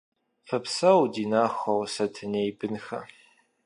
Фыпсэу, ди нэхухэу, сэтэней бынхэ.